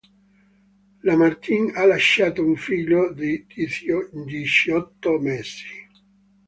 La Martin ha lasciato un figlio di diciotto mesi.